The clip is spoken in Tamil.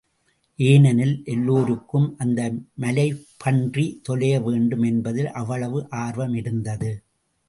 ஏனெனில், எல்லோருக்கும் அந்த மலைப்பன்றி தொலைய வேண்டும் என்பதில் அவ்வளவு ஆர்வமிருந்தது.